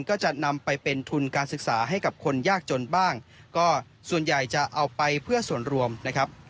ก็จะนำไปเป็นทุนการศึกษาให้กับคนยากจนบ้างก็ส่วนใหญ่จะเอาไปเพื่อส่วนรวมนะครับ